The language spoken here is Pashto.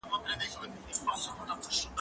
زه اوږده وخت مړۍ خورم!؟